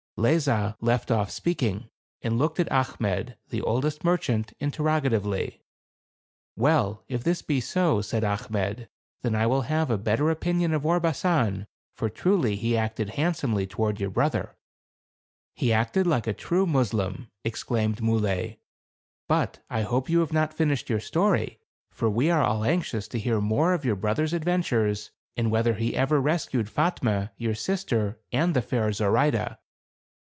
Lezah left off speaking, and looked at Achmet, the oldest merchant, interrogatively. "Well, if this be so," said Achmet, "then I will have a better opinion of Orbasan ; for truly, he acted handsomely toward your brother." " He acted like a true Mussulman," exclaimed Muley ;" but I hope you have not finished your story ; for we are all anxious to hear more of your brother's adventures, and whether he ever rescued Fatme, his sister, and the fair Zoraide."